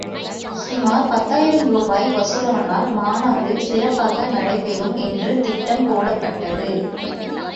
சுமார் பத்தாயிரம் ரூபாய் வசூலானால் மாநாடு சிறப்பாக நடைபெறும் என்று திட்டம் போடப்பட்டது.